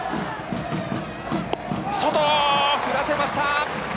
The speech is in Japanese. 外、振らせました！